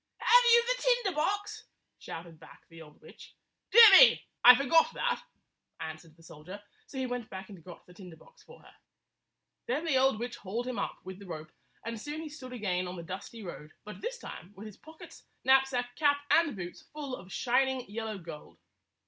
"Have you the tinder box?" shouted back the old witch. "Dear me! I forgot that," answered the sol dier; so he went back and got the tinder box for her. Then the old witch hauled him up with the rope, and soon he stood again on the dusty road, but this time with his pockets, knapsack, cap, and boots full of shining yellow gold.